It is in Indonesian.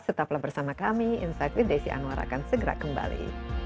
tetaplah bersama kami insight with desi anwar akan segera kembali